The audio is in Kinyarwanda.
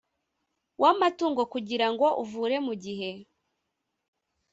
w amatungo kugirango uvure mu gihe